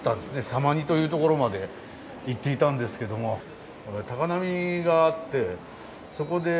様似というところまで行っていたんですけども高波があってそこで線路が被害を受けちゃって。